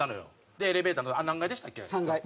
でエレベーターあれ何階でしたっけ？